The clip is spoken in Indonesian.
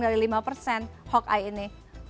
dari lima persen hawkey ini